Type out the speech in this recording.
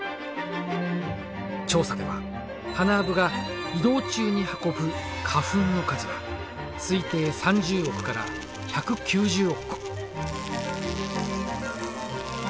調査ではハナアブが移動中に運ぶ花粉の数は推定３０億から１９０億個。